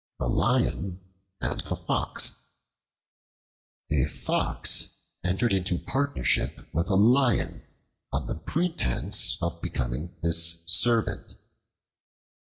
The Lion and the Fox A FOX entered into partnership with a Lion on the pretense of becoming his servant.